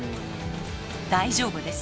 大丈夫です。